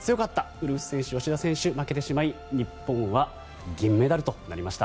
ウルフ選手、芳田選手負けてしまい日本は銀メダルとなりました。